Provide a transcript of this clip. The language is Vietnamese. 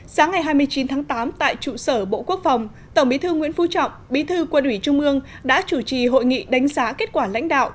sáng ngày hai mươi chín tháng tám tại trụ sở bộ quốc phòng tổng bí thư nguyễn phú trọng bí thư quân ủy trung ương đã chủ trì hội nghị đánh giá kết quả lãnh đạo